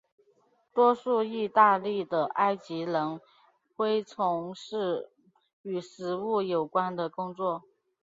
多数义大利的埃及人恢从事与食物有关的工作。